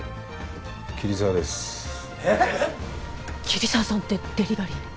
桐沢さんってデリバリーの？